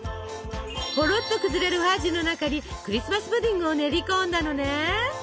ほろっと崩れるファッジの中にクリスマス・プディングを練り込んだのね！